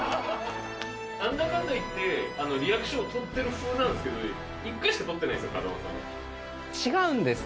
なんだかんだいって、ノーリアクション王とってる風ですけど、１回しか取ってないです